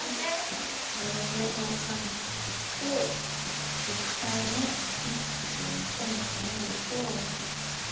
これを平方完成して実際にを求めてみると。